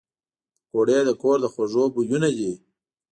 پکورې د کور د خوږو بویونه دي